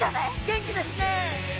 元気ですね。